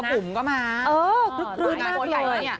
เออคุ้นมากเลย